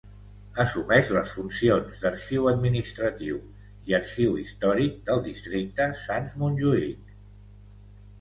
Assumeix les funcions d'Arxiu Administratiu i Arxiu històric del districte Sants-Montjuïc.